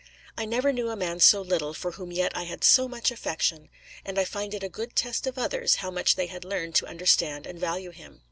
I never knew a man so little, for whom yet I had so much affection; and I find it a good test of others, how much they had learned to understand and value him.